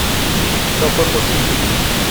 No fue posible.